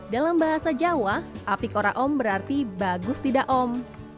dalam bahasa jawa api cora om berarti bagus tidak om